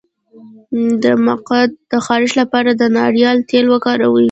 د مقعد د خارش لپاره د ناریل تېل وکاروئ